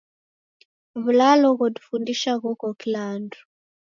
W'ulalo ghojifundisha ghoko kila andu.